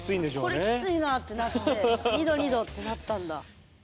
これきついなあってなって２度２度ってなったんだ。